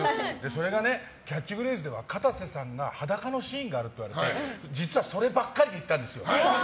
それがキャッチフレーズではかたせさんの裸のシーンがあるって言われてそれで見に行ったんですよ。